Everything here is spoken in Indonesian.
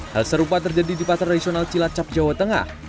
hal serupa terjadi di pasar tradisional cilacap jawa tengah